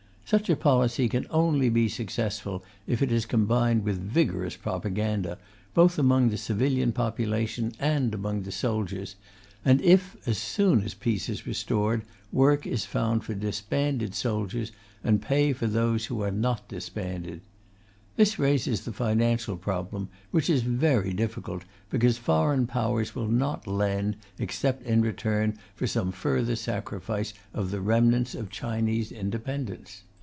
Such a policy can only be successful if it is combined with vigorous propaganda, both among the civilian population and among the soldiers, and if, as soon as peace is restored, work is found for disbanded soldiers and pay for those who are not disbanded. This raises the financial problem, which is very difficult, because foreign Powers will not lend except in return for some further sacrifice of the remnants of Chinese independence.